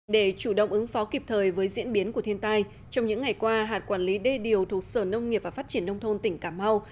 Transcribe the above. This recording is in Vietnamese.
để chủ động ứng phó kịp thời với diễn biến của thiên tai trong những ngày qua hạt quản lý đê điều thuộc sở nông nghiệp và phát triển nông thôn tỉnh cà mau